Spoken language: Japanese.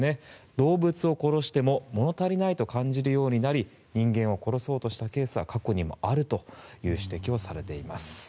動物を殺しても物足りないと感じるようになり人間を殺そうとしたケースは過去にもあるという指摘をされています。